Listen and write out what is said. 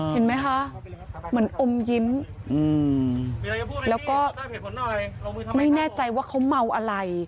เห็นไหมคะเหมือนอมยิ้มแล้วก็ไม่แน่ใจว่าเขาเมาอะไร